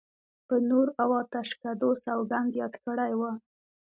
په نور او آتشکدو سوګند یاد کړی و.